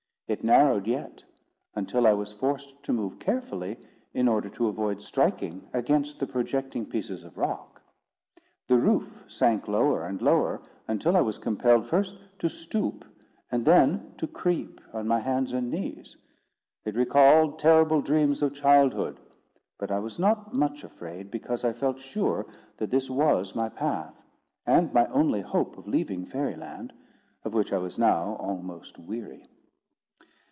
It narrowed yet, until I was forced to move carefully, in order to avoid striking against the projecting pieces of rock. The roof sank lower and lower, until I was compelled, first to stoop, and then to creep on my hands and knees. It recalled terrible dreams of childhood; but I was not much afraid, because I felt sure that this was my path, and my only hope of leaving Fairy Land, of which I was now almost weary.